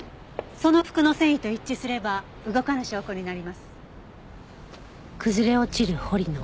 その服の繊維と一致すれば動かぬ証拠になります。